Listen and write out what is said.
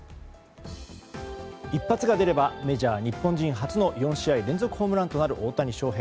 一発が出ればメジャー日本人初の４試合連続ホームランとなる大谷翔平。